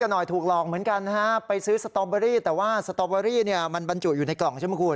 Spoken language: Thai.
หน่อยถูกหลอกเหมือนกันนะฮะไปซื้อสตอเบอรี่แต่ว่าสตอเบอรี่เนี่ยมันบรรจุอยู่ในกล่องใช่ไหมคุณ